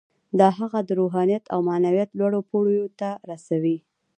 دا هغه د روحانیت او معنویت لوړو پوړیو ته رسوي